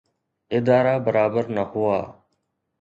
ادارا برابر نه هئا.